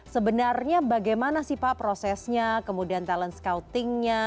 sebenarnya bagaimana sih pak prosesnya kemudian talent scoutingnya